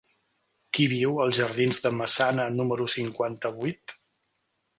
Qui viu als jardins de Massana número cinquanta-vuit?